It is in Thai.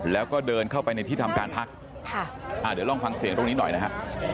แล้วก็เดินเข้าไปในที่ทำการพักเดี๋ยวลองฟังเสียงตรงนี้หน่อยนะฮะ